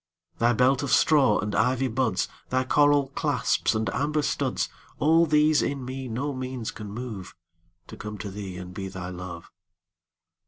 Thy belt of straw and ivy buds, Thy coral clasps and amber studs,—All these in me no means can moveTo come to thee and be thy Love.